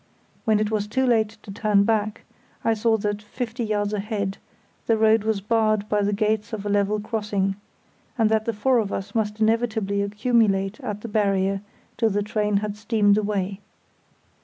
When it was too late to turn back I saw that, fifty yards ahead, the road was barred by the gates of a level crossing, and that the four of us must inevitably accumulate at the barrier till the train had steamed away.